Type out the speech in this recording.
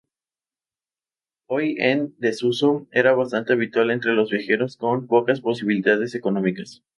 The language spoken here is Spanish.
Hoy en desuso, era bastante habitual entre los viajeros con pocas posibilidades económicas.